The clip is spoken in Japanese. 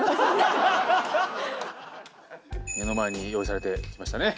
目の前に用意されてきましたね。